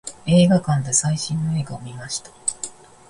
映画館で最新の映画を見ました。